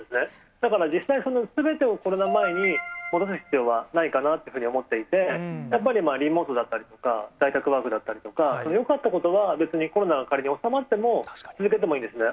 だから実際、すべてをコロナ前に戻す必要はないかなっていうふうに思っていて、やっぱりリモートだったりとか、在宅ワークだったりとか、よかったことは別にコロナが仮に収まっても続けてもいいんですね。